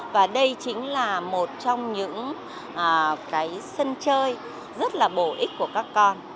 và đây chính là một trong những cái sân chơi rất là bổ ích của các con